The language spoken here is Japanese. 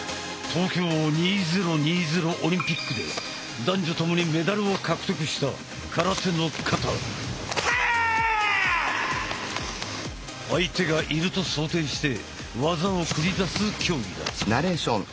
東京２０２０オリンピックで男女共にメダルを獲得した相手がいると想定して技を繰り出す競技だ。